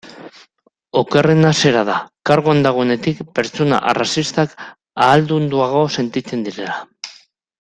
Okerrena zera da, karguan dagoenetik, pertsona arrazistak ahaldunduago sentitzen direla.